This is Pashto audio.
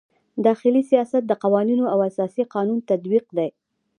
داخلي سیاست د قوانینو او اساسي قانون تطبیق دی.